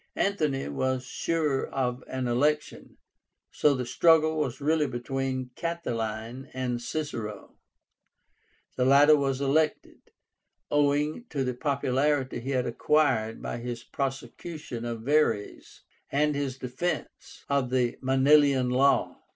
Antony was sure of an election, so the struggle was really between Catiline and Cicero. The latter was elected, owing to the popularity he had acquired by his prosecution of Verres and his defence of the Manilian Law.